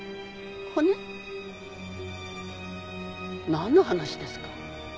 なんの話ですか？